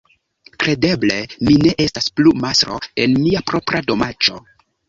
Kredeble, mi ne estas plu mastro en mia propra domaĉo!